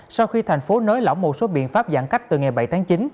sau khi thành phố nới lỏng một số biện pháp giãn cách từ ngày bảy tháng chín